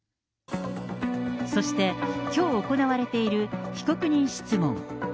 そして、きょう行われている被告人質問。